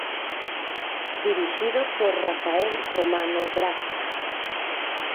Dirixido por Rafael Romano Gracia.